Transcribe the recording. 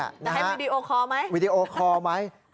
แต่ให้วิดีโอคอร์ไหม